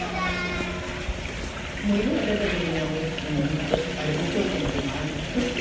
もう色が出た時にはもうほんとあれ有頂天っていうのはああいう気持ち。